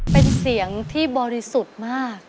เป็นเสียงที่บริสุทธิ์มาก